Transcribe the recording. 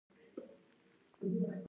دوی به په دې وضعیت کې پرېکړه نیسي.